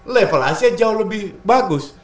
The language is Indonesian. level asia jauh lebih bagus